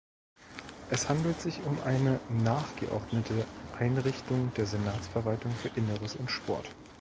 Es handelt sich um eine nachgeordnete Einrichtung der Senatsverwaltung für Inneres und Sport.